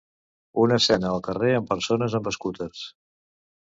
Una escena al carrer amb persones amb escúters.